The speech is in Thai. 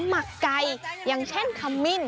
หมักไก่อย่างเช่นขมิ้น